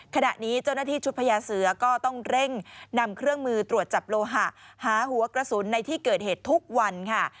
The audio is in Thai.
ขณะนี้เจ้าหน้าที่ชุดพญาเสือก็ต้องเร่งนำเครื่องมือตรวจจับโลหะหาหัวกระสุนในที่เกิดเหตุทุกวันค่ะ